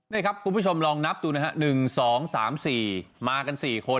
นี่ครับคุณผู้ชมลองนับดูนะฮะหนึ่งสองสามสี่มากันสี่คน